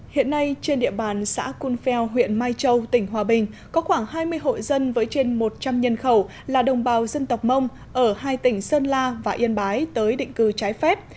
hiện nay trên địa bàn xã cunfeo huyện mai châu tỉnh hòa bình có khoảng hai mươi hội dân với trên một trăm linh nhân khẩu là đồng bào dân tộc mông ở hai tỉnh sơn la và yên bái tới định cư trái phép